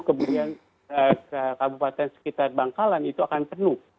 kemudian kabupaten sekitar bangkalan itu akan penuh